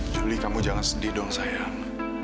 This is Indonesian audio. juli kamu jangan sedih dong sayang